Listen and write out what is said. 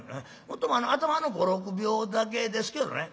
もっとも頭の５６秒だけですけどね。